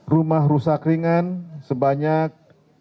rumah rusak ringan sebanyak dua puluh dua tujuh ratus sembilan puluh enam